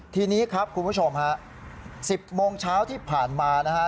ทีนี้ครับคุณผู้ชมฮะ๑๐โมงเช้าที่ผ่านมานะฮะ